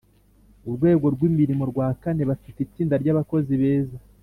urwego rw imirimo rwa kane bafite itsinda ry abakozi beza